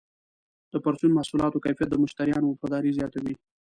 د پرچون محصولاتو کیفیت د مشتریانو وفاداري زیاتوي.